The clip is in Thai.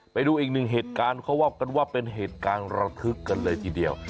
ไปดูอีกหนึ่งเหตุการณ์เขาว่ากันว่าเป็นเหตุการณ์ระทึกกันเลยทีเดียว